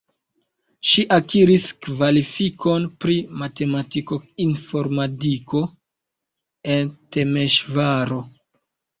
Ŝi akiris kvalifikon pri matematiko-informadiko en Temeŝvaro.